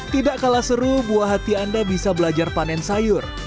tidak kalah seru buah hati anda bisa belajar panen sayur